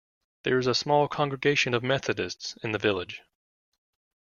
There is a small congregation of Methodists in the village.